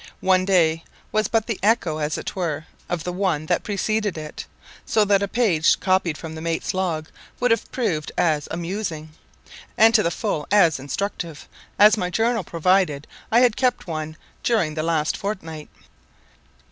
One day was but the echo, as it were, of the one that preceded it; so that a page copied from the mate's log would have proved as amusing, and to the full as instructive, as my journal provided I had kept one during the last fortnight.